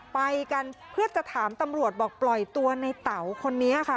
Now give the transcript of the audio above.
ไปกันเพื่อจะถามตำรวจบอกปล่อยตัวในเต๋าคนนี้ค่ะ